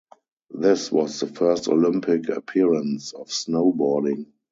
This was the first Olympic appearance of snowboarding.